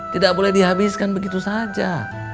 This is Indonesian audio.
tidak boleh dihabiskan begitu saja